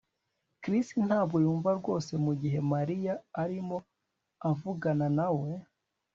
Chris ntabwo yumva rwose mugihe Mariya arimo avugana nawe